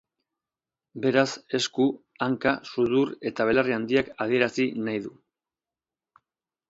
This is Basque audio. Beraz, esku, hanka, sudur eta belarri handiak adierazi nahi du.